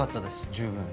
十分。